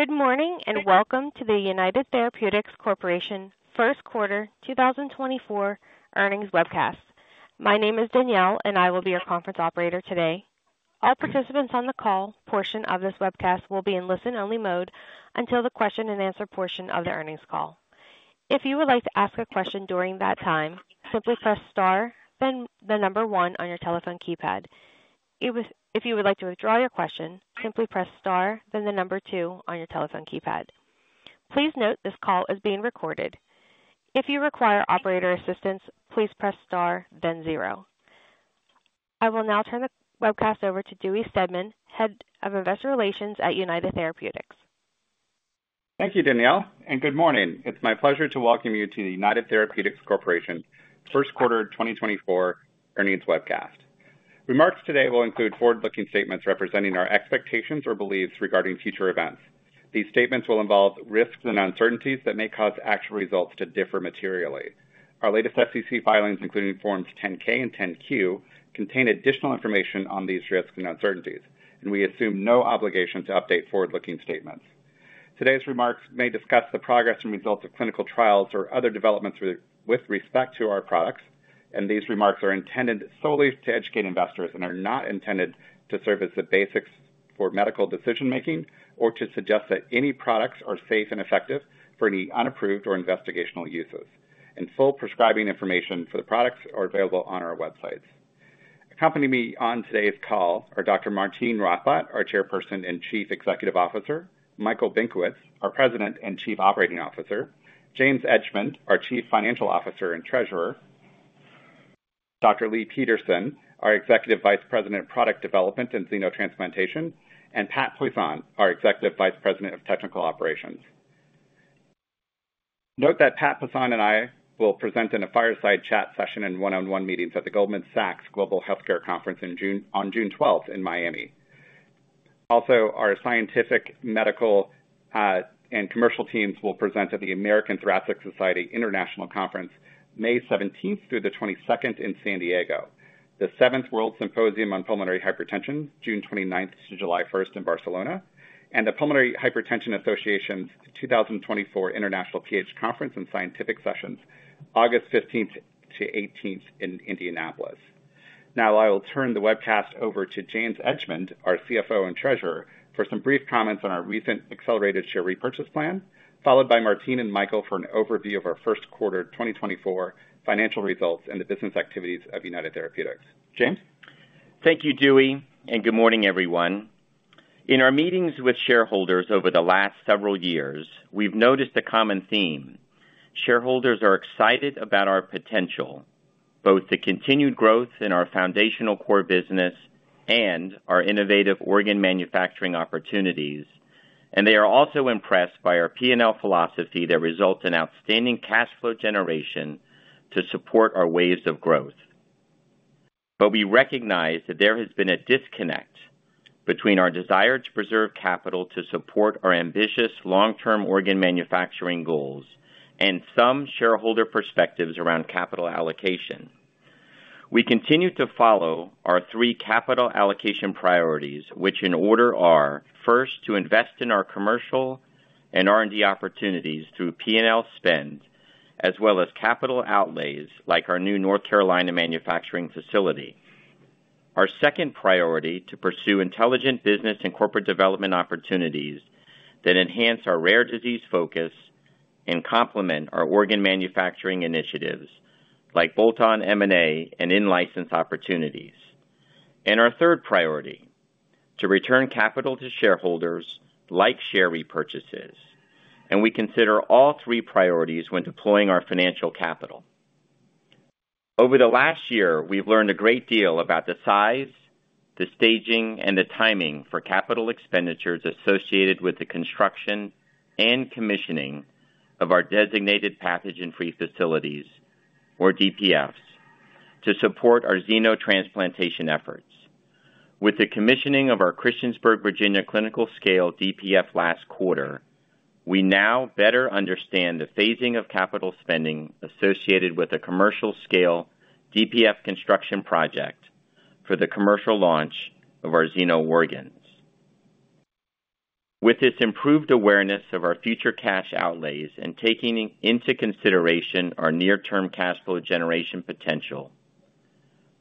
Good morning and welcome to the United Therapeutics Corporation Q1 2024 Earnings Webcast. My name is Danielle, and I will be your conference operator today. All participants on the call. Portion of this webcast will be in listen-only mode until the question-and-answer portion of the earnings call. If you would like to ask a question during that time, simply press star, then the number one on your telephone keypad. If you would like to withdraw your question, simply press star, then the number two on your telephone keypad. Please note this call is being recorded. If you require operator assistance, please press star, then zero. I will now turn the webcast over to Dewey Steadman, Head of Investor Relations at United Therapeutics. Thank you, Danielle, and good morning. It's my pleasure to welcome you to the United Therapeutics Corporation Q1 2024 Earnings Webcast. Remarks today will include forward-looking statements representing our expectations or beliefs regarding future events. These statements will involve risks and uncertainties that may cause actual results to differ materially. Our latest SEC filings, including Forms 10-K and 10-Q, contain additional information on these risks and uncertainties, and we assume no obligation to update forward-looking statements. Today's remarks may discuss the progress and results of clinical trials or other developments with respect to our products, and these remarks are intended solely to educate investors and are not intended to serve as the basis for medical decision-making or to suggest that any products are safe and effective for any unapproved or investigational uses. Full prescribing information for the products are available on our websites. Accompanying me on today's call are Dr. Martine Rothblatt, our Chairperson and Chief Executive Officer, Michael Benkowitz, our President and Chief Operating Officer, James Edgemond, our Chief Financial Officer and Treasurer, Dr. Leigh Peterson, our Executive Vice President of Product Development and Xenotransplantation, and Pat Poisson, our Executive Vice President of Technical Operations. Note that Pat Poisson and I will present in a fireside chat session in one-on-one meetings at the Goldman Sachs Global Healthcare Conference on June 12th in Miami. Also, our scientific, medical, and commercial teams will present at the American Thoracic Society International Conference May 17th through the 22nd in San Diego, the 7th World Symposium on Pulmonary Hypertension, June 29th to July 1st in Barcelona, and the Pulmonary Hypertension Association's 2024 International PH Conference and Scientific Sessions, August 15th to 18th in Indianapolis. Now I will turn the webcast over to James Edgemond, our CFO and Treasurer, for some brief comments on our recent accelerated share repurchase plan, followed by Martine and Michael for an overview of our Q1 2024 financial results and the business activities of United Therapeutics. James? Thank you, Dewey, and good morning, everyone. In our meetings with shareholders over the last several years, we've noticed a common theme: shareholders are excited about our potential, both the continued growth in our foundational core business and our innovative organ manufacturing opportunities, and they are also impressed by our P&L philosophy that results in outstanding cash flow generation to support our waves of growth. But we recognize that there has been a disconnect between our desire to preserve capital to support our ambitious long-term organ manufacturing goals and some shareholder perspectives around capital allocation. We continue to follow our three capital allocation priorities, which in order are: first, to invest in our commercial and R&D opportunities through P&L spend, as well as capital outlays like our new North Carolina manufacturing facility. Our second priority, to pursue intelligent business and corporate development opportunities that enhance our rare disease focus and complement our organ manufacturing initiatives like bolt-on M&A and in-license opportunities. And our third priority, to return capital to shareholders like share repurchases. We consider all three priorities when deploying our financial capital. Over the last year, we've learned a great deal about the size, the staging, and the timing for capital expenditures associated with the construction and commissioning of our designated pathogen-free facilities, or DPFs, to support our xenotransplantation efforts. With the commissioning of our Christiansburg, Virginia clinical-scale DPF last quarter, we now better understand the phasing of capital spending associated with a commercial-scale DPF construction project for the commercial launch of our xenoorgans. With this improved awareness of our future cash outlays and taking into consideration our near-term cash flow generation potential,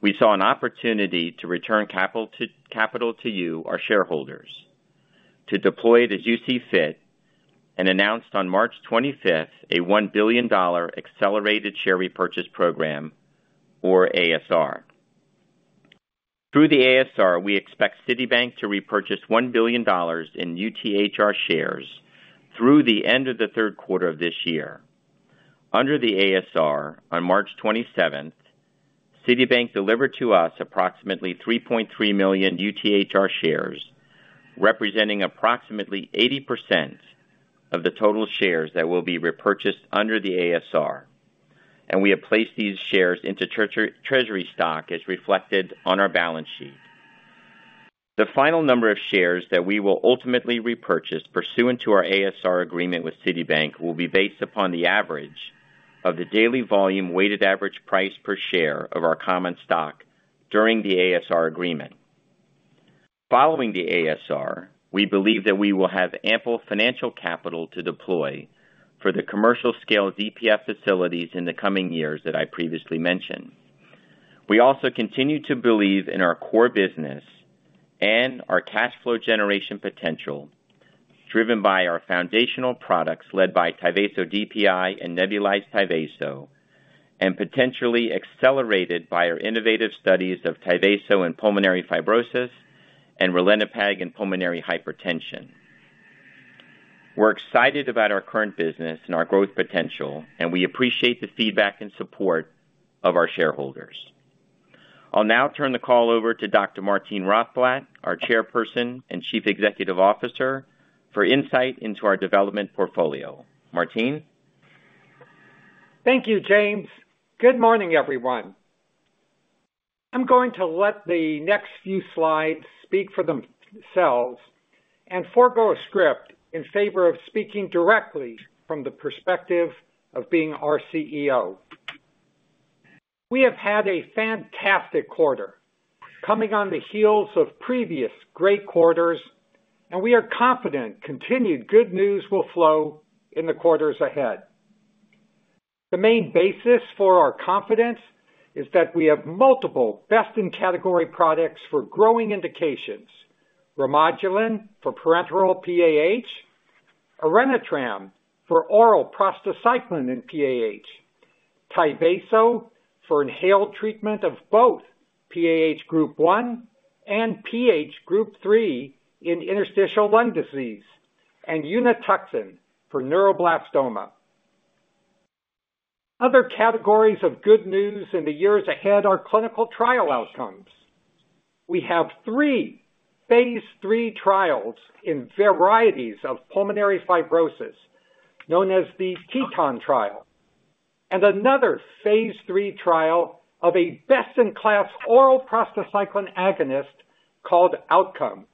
we saw an opportunity to return capital to you, our shareholders, to deploy it as you see fit and announced on March 25th a $1 billion accelerated share repurchase program, or ASR. Through the ASR, we expect Citibank to repurchase $1 billion in UTHR shares through the end of the Q3 of this year. Under the ASR, on March 27th, Citibank delivered to us approximately 3.3 million UTHR shares, representing approximately 80% of the total shares that will be repurchased under the ASR, and we have placed these shares into Treasury stock as reflected on our balance sheet. The final number of shares that we will ultimately repurchase pursuant to our ASR agreement with Citibank will be based upon the average of the daily volume weighted average price per share of our common stock during the ASR agreement. Following the ASR, we believe that we will have ample financial capital to deploy for the commercial-scale DPF facilities in the coming years that I previously mentioned. We also continue to believe in our core business and our cash flow generation potential driven by our foundational products led by Tyvaso DPI and Nebulized Tyvaso, and potentially accelerated by our innovative studies of Tyvaso in pulmonary fibrosis and ralinepag in pulmonary hypertension. We're excited about our current business and our growth potential, and we appreciate the feedback and support of our shareholders. I'll now turn the call over to Dr. Martine Rothblatt, our Chairperson and Chief Executive Officer, for insight into our development portfolio. Martine? Thank you, James. Good morning, everyone. I'm going to let the next few slides speak for themselves and forgo a script in favor of speaking directly from the perspective of being our CEO. We have had a fantastic quarter, coming on the heels of previous great quarters, and we are confident continued good news will flow in the quarters ahead. The main basis for our confidence is that we have multiple best-in-category products for growing indications: Remodulin for parenteral PAH; Orenitram for oral prostacyclin in PAH; Tyvaso for inhaled treatment of both PAH Group 1 and PH Group 3 in interstitial lung disease; and Unituxin for neuroblastoma. Other categories of good news in the years ahead are clinical trial outcomes. We have three phase III trials in varieties of pulmonary fibrosis, known as the TETON trial, and another phase III trial of a best-in-class oral prostacyclin agonist called OUTCOME.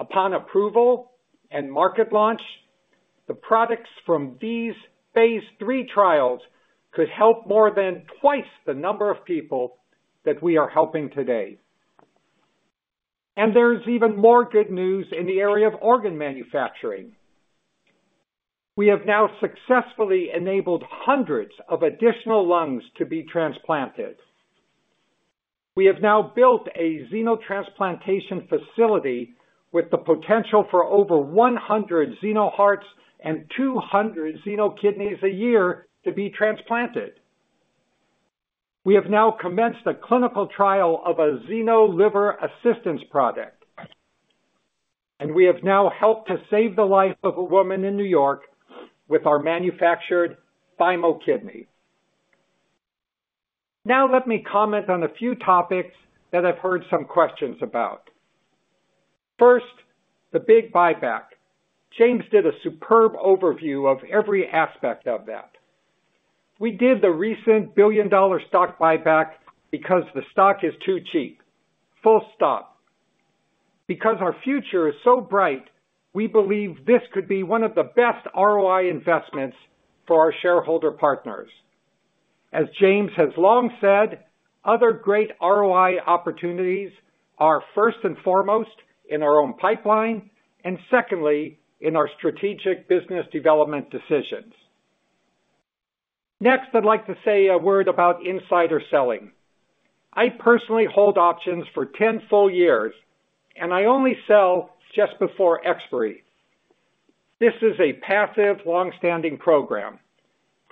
Upon approval and market launch, the products from these phase III trials could help more than twice the number of people that we are helping today. There's even more good news in the area of organ manufacturing. We have now successfully enabled hundreds of additional lungs to be transplanted. We have now built a xenotransplantation facility with the potential for over 100 xenohearts and 200 xenokidneys a year to be transplanted. We have now commenced a clinical trial of a xenoliver assistance product, and we have now helped to save the life of a woman in New York with our manufactured thymokidney. Now let me comment on a few topics that I've heard some questions about. First, the big buyback. James did a superb overview of every aspect of that. We did the recent billion-dollar stock buyback because the stock is too cheap. Full stop. Because our future is so bright, we believe this could be one of the best ROI investments for our shareholder partners. As James has long said, other great ROI opportunities are first and foremost in our own pipeline and secondly in our strategic business development decisions. Next, I'd like to say a word about insider selling. I personally hold options for 10 full years, and I only sell just before expiry. This is a passive, longstanding program.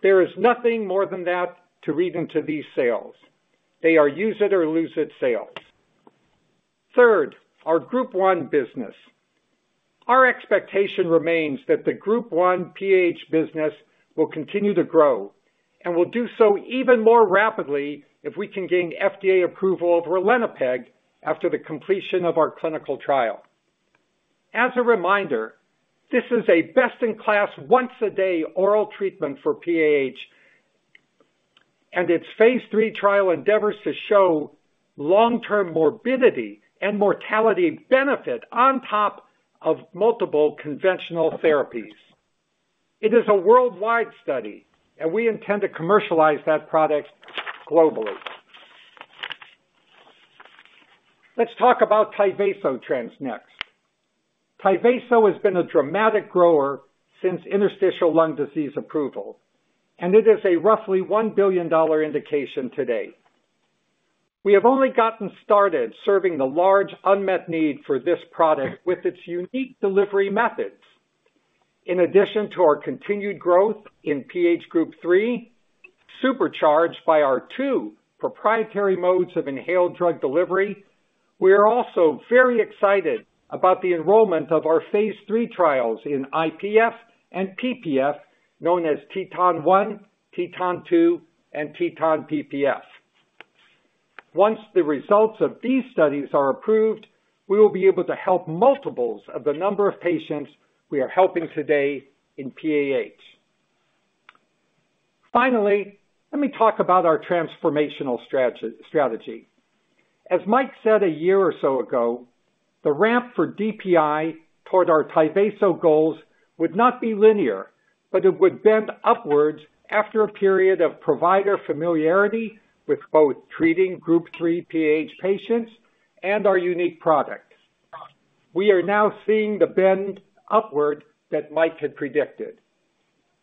There is nothing more than that to read into these sales. They are use-it-or-lose-it sales. Third, our Group 1 business. Our expectation remains that the Group 1 PAH business will continue to grow and will do so even more rapidly if we can gain FDA approval of ralinepag after the completion of our clinical trial. As a reminder, this is a best-in-class once-a-day oral treatment for PAH, and its phase III trial endeavors to show long-term morbidity and mortality benefit on top of multiple conventional therapies. It is a worldwide study, and we intend to commercialize that product globally. Let's talk about Tyvaso trends next. Tyvaso has been a dramatic grower since Interstitial Lung Disease approval, and it is a roughly $1 billion indication today. We have only gotten started serving the large unmet need for this product with its unique delivery methods. In addition to our continued growth in PAH Group 3, supercharged by our two proprietary modes of inhaled drug delivery, we are also very excited about the enrollment of our phase III trials in IPF and PPF, known as TETON 1, TETON 2, and TETON PPF. Once the results of these studies are approved, we will be able to help multiples of the number of patients we are helping today in PAH. Finally, let me talk about our transformational strategy. As Mike said a year or so ago, the ramp for DPI toward our Tyvaso goals would not be linear, but it would bend upwards after a period of provider familiarity with both treating Group 3 PAH patients and our unique product. We are now seeing the bend upward that Mike had predicted.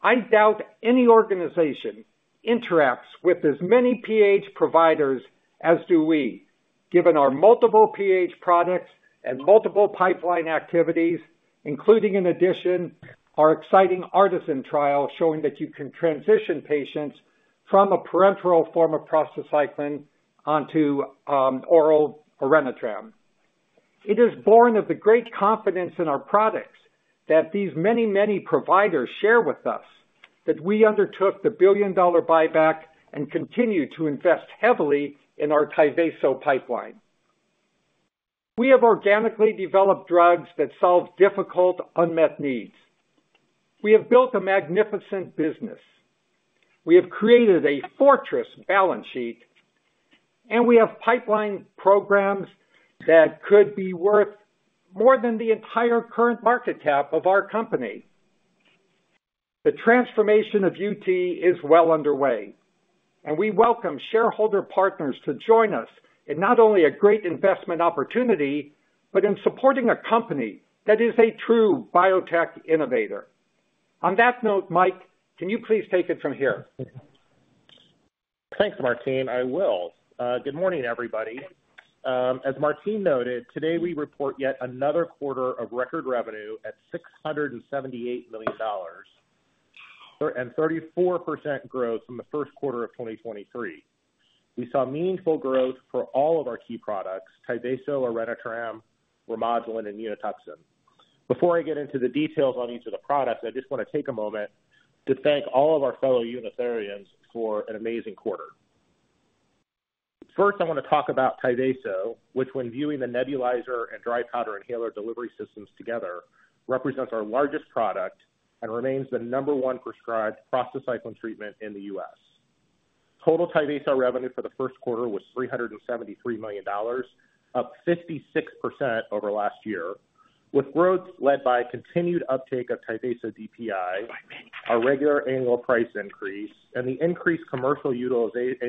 I doubt any organization interacts with as many PAH providers as do we, given our multiple PAH products and multiple pipeline activities, including in addition our exciting ARTISAN trial showing that you can transition patients from a parenteral form of prostacyclin onto oral Orenitram. It is born of the great confidence in our products that these many, many providers share with us that we undertook the billion-dollar buyback and continue to invest heavily in our Tyvaso pipeline. We have organically developed drugs that solve difficult unmet needs. We have built a magnificent business. We have created a fortress balance sheet, and we have pipeline programs that could be worth more than the entire current market cap of our company. The transformation of UT is well underway, and we welcome shareholder partners to join us in not only a great investment opportunity but in supporting a company that is a true biotech innovator. On that note, Mike, can you please take it from here? Thanks, Martine. I will. Good morning, everybody. As Martine noted, today we report yet another quarter of record revenue at $678 million and 34% growth from the Q1 of 2023. We saw meaningful growth for all of our key products, Tyvaso, Orenitram, Remodulin, and Unituxin. Before I get into the details on each of the products, I just want to take a moment to thank all of our fellow Unitharians for an amazing quarter. First, I want to talk about Tyvaso, which, when viewing the nebulizer and dry powder inhaler delivery systems together, represents our largest product and remains the number one prescribed prostacyclin treatment in the U.S. Total Tyvaso revenue for the Q1 was $373 million, up 56% over last year, with growth led by continued uptake of Tyvaso DPI, our regular annual price increase, and the increased commercial utilization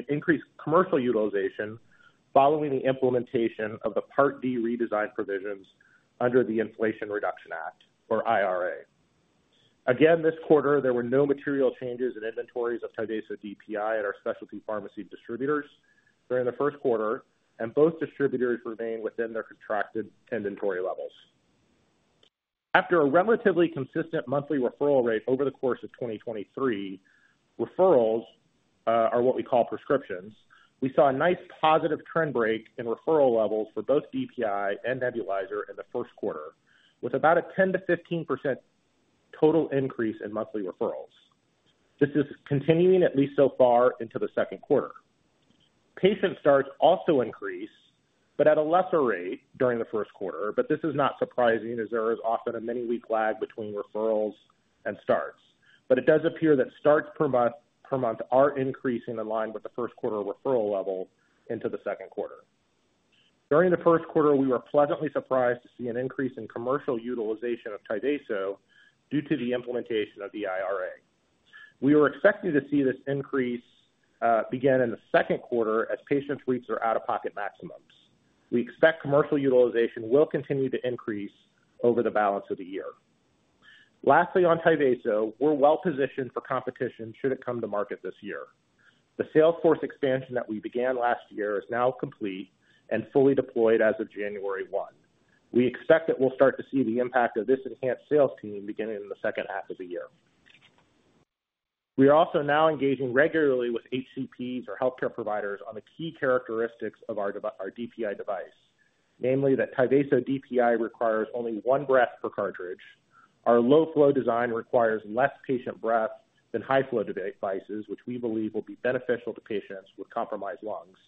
following the implementation of the Part D redesign provisions under the Inflation Reduction Act, or IRA. Again, this quarter, there were no material changes in inventories of Tyvaso DPI at our specialty pharmacy distributors during the Q1, and both distributors remain within their contracted inventory levels. After a relatively consistent monthly referral rate over the course of 2023, referrals are what we call prescriptions, we saw a nice positive trend break in referral levels for both DPI and nebulizer in the Q1, with about a 10%-15% total increase in monthly referrals. This is continuing, at least so far, into the Q2. Patient starts also increase but at a lesser rate during the Q1, but this is not surprising as there is often a many-week lag between referrals and starts. It does appear that starts per month are increasing in line with the Q1 referral level into the Q2. During the Q1, we were pleasantly surprised to see an increase in commercial utilization of Tyvaso due to the implementation of the IRA. We were expecting to see this increase begin in the Q2 as patients reach their out-of-pocket maximums. We expect commercial utilization will continue to increase over the balance of the year. Lastly, on Tyvaso, we're well positioned for competition should it come to market this year. The sales force expansion that we began last year is now complete and fully deployed as of January 1. We expect that we'll start to see the impact of this enhanced sales team beginning in the second half of the year. We are also now engaging regularly with HCPs, or healthcare providers, on the key characteristics of our DPI device, namely that Tyvaso DPI requires only one breath per cartridge. Our low-flow design requires less patient breath than high-flow devices, which we believe will be beneficial to patients with compromised lungs.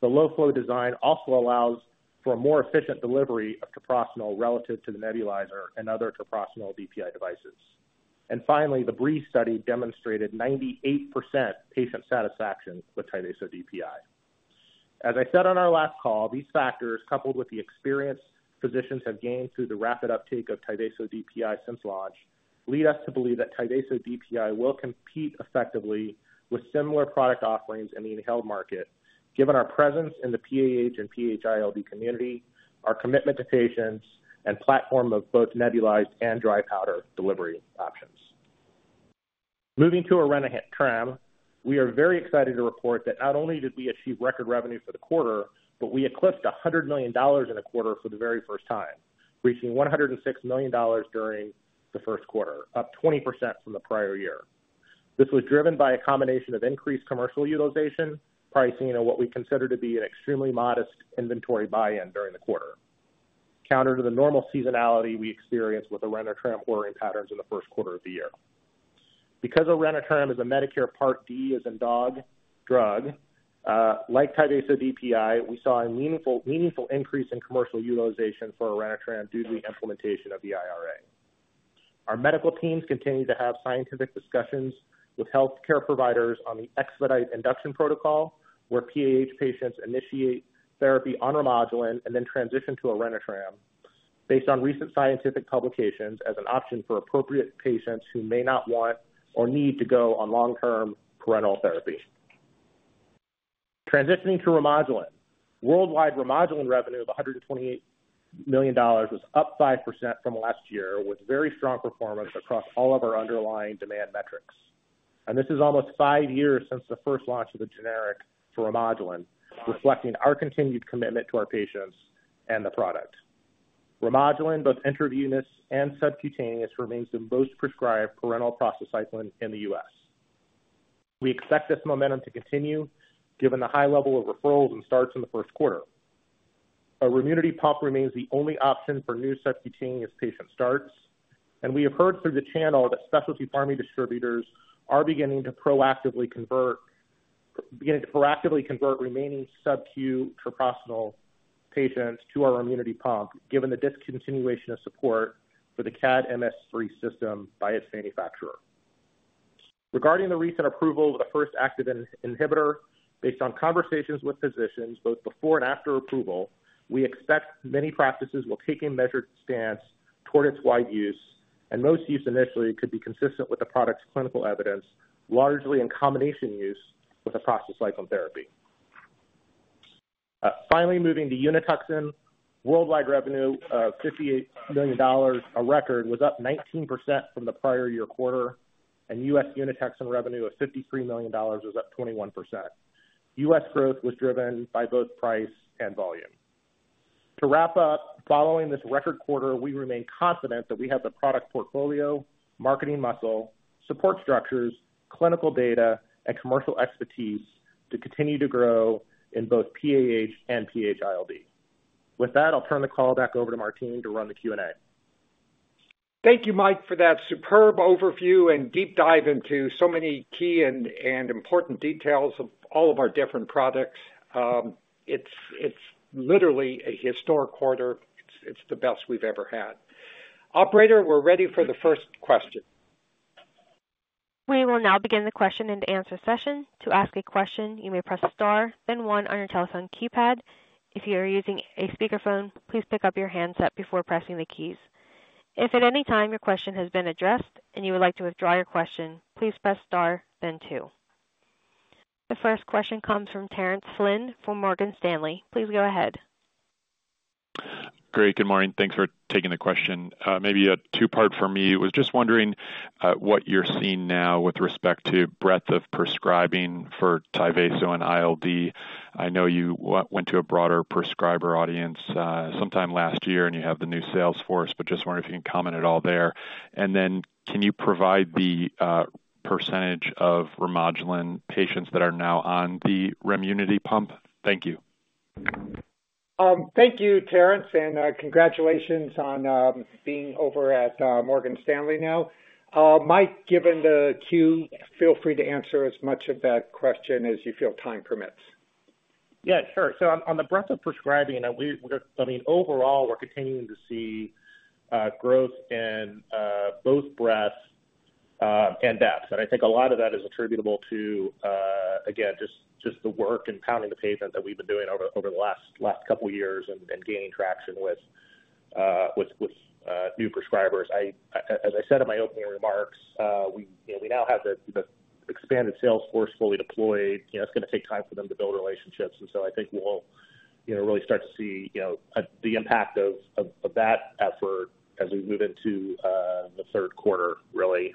The low-flow design also allows for a more efficient delivery of treprostinil relative to the nebulizer and other treprostinil DPI devices. And finally, the BREEZE study demonstrated 98% patient satisfaction with Tyvaso DPI. As I said on our last call, these factors, coupled with the experience physicians have gained through the rapid uptake of Tyvaso DPI since launch, lead us to believe that Tyvaso DPI will compete effectively with similar product offerings in the inhaled market, given our presence in the PAH and PH-ILD community, our commitment to patients, and platform of both nebulized and dry powder delivery options. Moving to Orenitram, we are very excited to report that not only did we achieve record revenue for the quarter, but we eclipsed $100 million in a quarter for the very first time, reaching $106 million during the Q1, up 20% from the prior year. This was driven by a combination of increased commercial utilization, pricing, and what we consider to be an extremely modest inventory buy-in during the quarter, counter to the normal seasonality we experienced with Orenitram ordering patterns in the Q1 of the year. Because Orenitram is a Medicare Part D drug, like Tyvaso DPI, we saw a meaningful increase in commercial utilization for Orenitram due to the implementation of the IRA. Our medical teams continue to have scientific discussions with healthcare providers on the EXPEDITE induction protocol, where PAH patients initiate therapy on Remodulin and then transition to Orenitram based on recent scientific publications as an option for appropriate patients who may not want or need to go on long-term parenteral therapy. Transitioning to Remodulin, worldwide Remodulin revenue of $128 million was up 5% from last year, with very strong performance across all of our underlying demand metrics. This is almost five years since the first launch of the generic for Remodulin, reflecting our continued commitment to our patients and the product. Remodulin, both intravenous and subcutaneous, remains the most prescribed parenteral prostacyclin in the U.S. We expect this momentum to continue, given the high level of referrals and starts in the Q1. Remunity Pump remains the only option for new subcutaneous patient starts, and we have heard through the channel that specialty pharmacy distributors are beginning to proactively convert remaining sub-Q treprostinil patients to our Remunity Pump, given the discontinuation of support for the CADD-MS 3 system by its manufacturer. Regarding the recent approval of the first active inhibitor, based on conversations with physicians both before and after approval, we expect many practices will take a measured stance toward its wide use, and most use initially could be consistent with the product's clinical evidence, largely in combination use with a prostacyclin therapy. Finally, moving to Unituxin, worldwide revenue of $58 million, a record, was up 19% from the prior year quarter, and U.S. Unituxin revenue of $53 million was up 21%. U.S. growth was driven by both price and volume. To wrap up, following this record quarter, we remain confident that we have the product portfolio, marketing muscle, support structures, clinical data, and commercial expertise to continue to grow in both PAH and PHI-LD. With that, I'll turn the call back over to Martine to run the Q&A. Thank you, Mike, for that superb overview and deep dive into so many key and important details of all of our different products. It's literally a historic quarter. It's the best we've ever had. Operator, we're ready for the first question. We will now begin the question-and-answer session. To ask a question, you may press star, then one on your telephone keypad. If you are using a speakerphone, please pick up your handset before pressing the keys. If at any time your question has been addressed and you would like to withdraw your question, please press star, then two. The first question comes from Terence Flynn from Morgan Stanley. Please go ahead. Great. Good morning. Thanks for taking the question. Maybe a two-part for me. I was just wondering what you're seeing now with respect to breadth of prescribing for Tyvaso and ILD. I know you went to a broader prescriber audience sometime last year, and you have the new sales force, but just wondering if you can comment it all there. And then can you provide the percentage of Remodulin patients that are now on the Remunity Pump? Thank you. Thank you, Terrence, and congratulations on being over at Morgan Stanley now. Mike, given the cue, feel free to answer as much of that question as you feel time permits. Yeah, sure. So on the breadth of prescribing, I mean, overall, we're continuing to see growth in both breadth and depth. And I think a lot of that is attributable to, again, just the work and pounding the pavement that we've been doing over the last couple of years and gaining traction with new prescribers. As I said in my opening remarks, we now have the expanded sales force fully deployed. It's going to take time for them to build relationships, and so I think we'll really start to see the impact of that effort as we move into the Q3, really.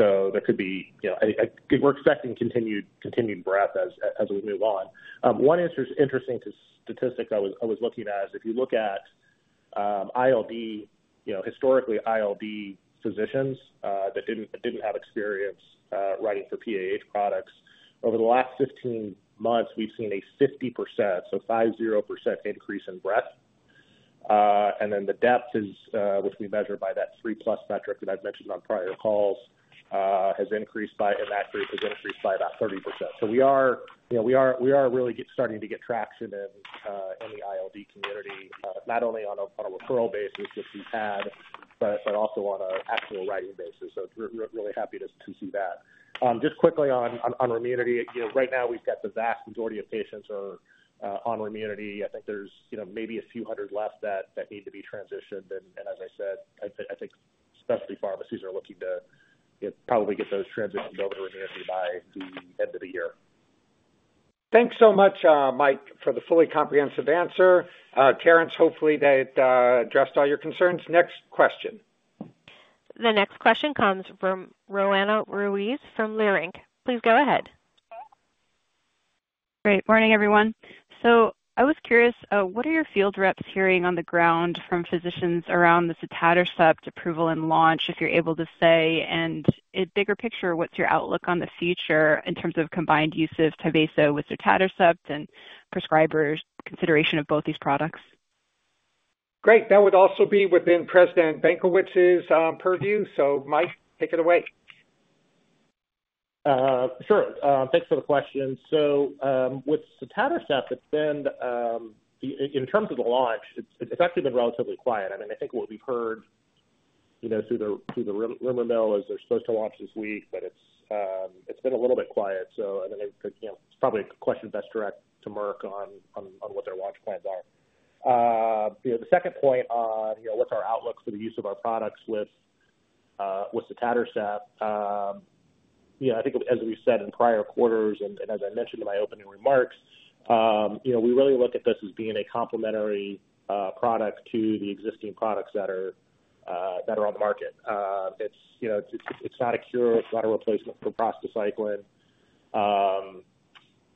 So, we're expecting continued breadth as we move on. One interesting statistic I was looking at is if you look at ILD, historically ILD physicians that didn't have experience writing for PAH products, over the last 15 months, we've seen a 50%, so 50%, increase in breadth. And then the depth, which we measure by that three-plus metric that I've mentioned on prior calls, has increased by about 30%. So we are really starting to get traction in the ILD community, not only on a referral basis, which we've had, but also on an actual writing basis. So really happy to see that. Just quickly on Remunity, right now, we've got the vast majority of patients who are on Remunity. I think there's maybe a few hundred left that need to be transitioned. As I said, I think specialty pharmacies are looking to probably get those transitioned over to Remunity by the end of the year. Thanks so much, Mike, for the fully comprehensive answer. Terrence, hopefully that it addressed all your concerns. Next question. The next question comes from Roanna Ruiz from Leerink. Please go ahead. Good morning, everyone. So I was curious, what are your field reps hearing on the ground from physicians around the sotatercept approval and launch, if you're able to say, and bigger picture, what's your outlook on the future in terms of combined use of Tyvaso with sotatercept and prescribers' consideration of both these products? Great. That would also be within President Benkowitz's purview. So, Mike, take it away. Sure. Thanks for the question. So with sotatercept, it's been in terms of the launch, it's actually been relatively quiet. I mean, I think what we've heard through the rumor mill is they're supposed to launch this week, but it's been a little bit quiet. So I mean, it's probably a question best directed to Merck on what their launch plans are. The second point on what's our outlook for the use of our products with sotatercept, I think, as we've said in prior quarters and as I mentioned in my opening remarks, we really look at this as being a complementary product to the existing products that are on the market. It's not a cure. It's not a replacement for prostacyclin.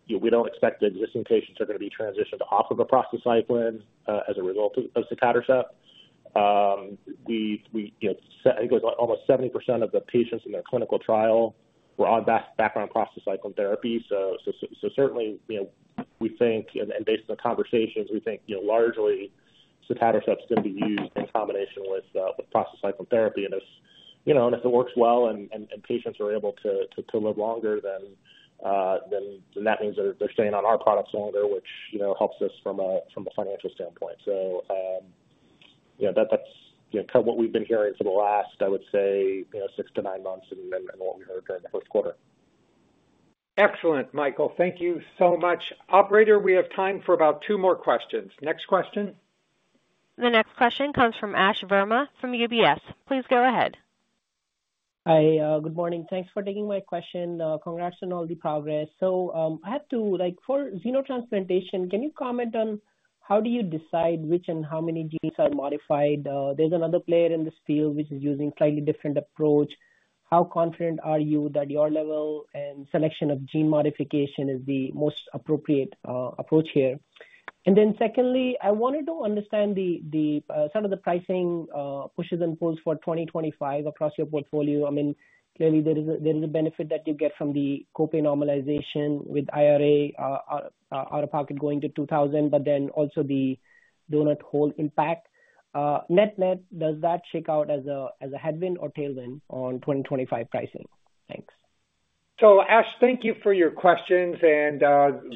We don't expect the existing patients are going to be transitioned off of a prostacyclin as a result of sotatercept. I think it was almost 70% of the patients in their clinical trial were on background prostacyclin therapy. So certainly, we think, and based on the conversations, we think largely sotatercept's going to be used in combination with prostacyclin therapy. And if it works well and patients are able to live longer, then that means they're staying on our products longer, which helps us from a financial standpoint. So that's kind of what we've been hearing for the last, I would say, six to nine months and what we heard during the Q1. Excellent, Michael. Thank you so much. Operator, we have time for about two more questions. Next question. The next question comes from Ash Verma from UBS. Please go ahead. Hi. Good morning. Thanks for taking my question. Congrats on all the progress. So I have to for xenotransplantation, can you comment on how do you decide which and how many genes are modified? There's another player in this field which is using a slightly different approach. How confident are you that your level and selection of gene modification is the most appropriate approach here? And then secondly, I wanted to understand some of the pricing pushes and pulls for 2025 across your portfolio. I mean, clearly, there is a benefit that you get from the copay normalization with IRA out-of-pocket going to 2,000, but then also the donut-hole impact. Net-net, does that shake out as a headwind or tailwind on 2025 pricing? Thanks. So Ash, thank you for your questions and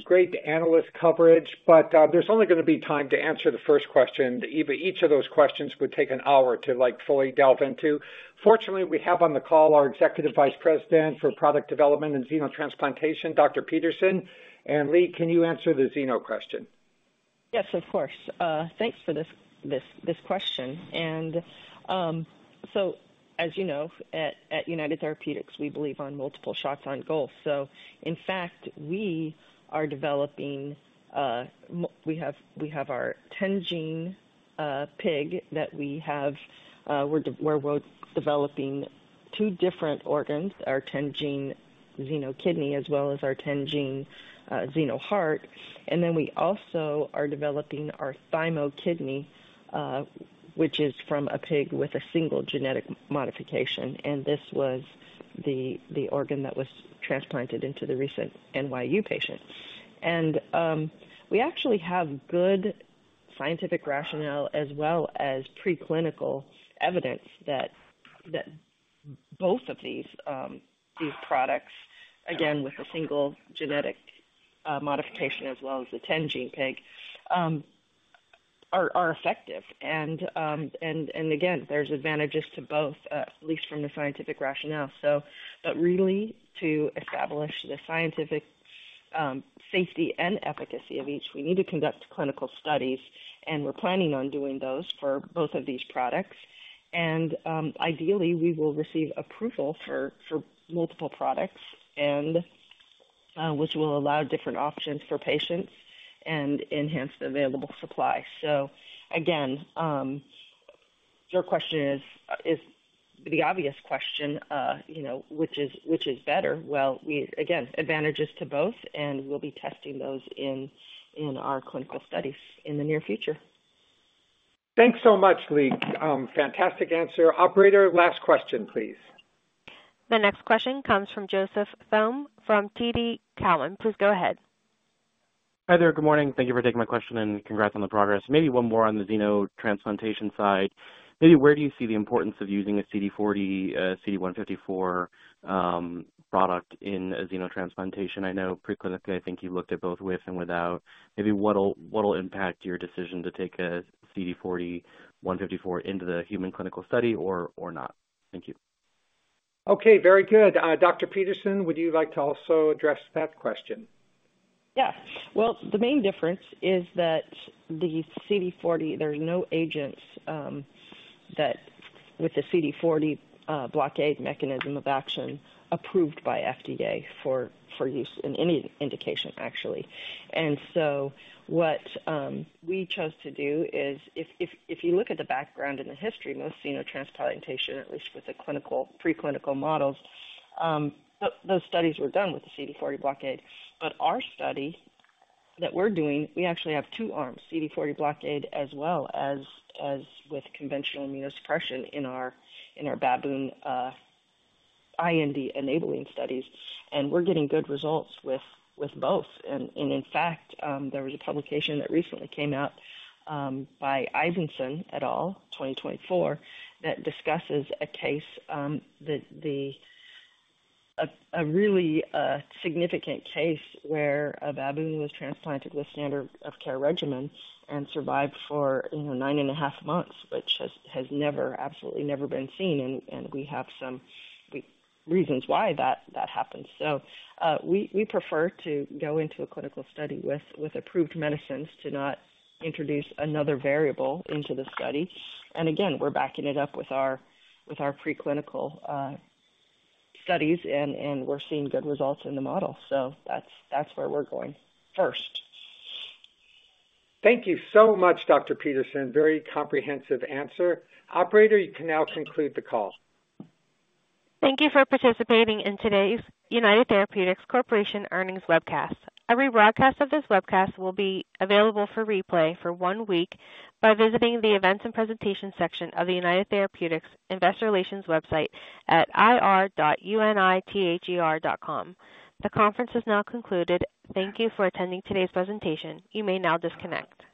great analyst coverage. But there's only going to be time to answer the first question. Each of those questions would take an hour to fully delve into. Fortunately, we have on the call our Executive Vice President for Product Development and Xenotransplantation, Dr. Peterson. And Leigh, can you answer the xeno question? Yes, of course. Thanks for this question. And so as you know, at United Therapeutics, we believe on multiple shots on goal. So in fact, we have our 10-gene pig that we're developing two different organs, our 10-gene xenokidney as well as our 10-gene xenoheart. And then we also are developing our thymokidney, which is from a pig with a single genetic modification. And this was the organ that was transplanted into the recent NYU patient. And we actually have good scientific rationale as well as preclinical evidence that both of these products, again, with a single genetic modification as well as the 10-gene pig, are effective. And again, there's advantages to both, at least from the scientific rationale. But really, to establish the scientific safety and efficacy of each, we need to conduct clinical studies, and we're planning on doing those for both of these products. And ideally, we will receive approval for multiple products, which will allow different options for patients and enhance the available supply. So again, your question is the obvious question, which is better. Well, again, advantages to both, and we'll be testing those in our clinical studies in the near future. Thanks so much, Leigh. Fantastic answer. Operator, last question, please. The next question comes from Joseph Thome from TD Cowen. Please go ahead. Hi there. Good morning. Thank you for taking my question, and congrats on the progress. Maybe one more on the xenotransplantation side. Maybe where do you see the importance of using a CD40/CD154 product in a xenotransplantation? I know preclinically, I think you looked at both with and without. Maybe what will impact your decision to take a CD40/154 into the human clinical study or not? Thank you. Okay. Very good. Dr. Peterson, would you like to also address that question? Yeah. Well, the main difference is that the CD40, there's no agents with the CD40 blockade mechanism of action approved by FDA for use in any indication, actually. And so what we chose to do is if you look at the background and the history, most xenotransplantation, at least with the preclinical models, those studies were done with the CD40 blockade. But our study that we're doing, we actually have two arms, CD40 blockade as well as with conventional immunosuppression in our baboon IND enabling studies. And we're getting good results with both. And in fact, there was a publication that recently came out by Ivenson et al., 2024, that discusses a case, a really significant case where a baboon was transplanted with standard of care regimen and survived for 9.5 months, which has absolutely never been seen. And we have some reasons why that happens. We prefer to go into a clinical study with approved medicines to not introduce another variable into the study. Again, we're backing it up with our preclinical studies, and we're seeing good results in the model. That's where we're going first. Thank you so much, Dr. Peterson. Very comprehensive answer. Operator, you can now conclude the call. Thank you for participating in today's United Therapeutics Corporation Earnings Webcast. Every broadcast of this webcast will be available for replay for one week by visiting the events and presentation section of the United Therapeutics Investor Relations website at ir.unithr.com. The conference has now concluded. Thank you for attending today's presentation. You may now disconnect.